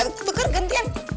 tukar tukar gantian